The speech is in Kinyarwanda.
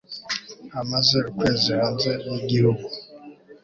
Amaze ukwezi hanze yigihugu